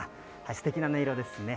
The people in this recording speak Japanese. すてきな音色ですね。